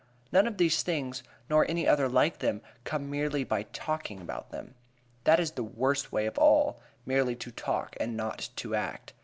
None of these things, nor any other like them, come merely by talking about them. That is the worst way of all merely to talk and not to act.